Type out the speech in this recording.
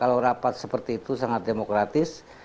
kalau rapat seperti itu sangat demokratis